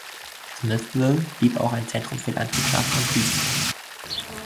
Smithville blieb auch ein Zentrum für Landwirtschaft und Viehzucht.